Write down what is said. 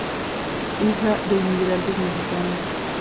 Hija de inmigrantes mexicanos.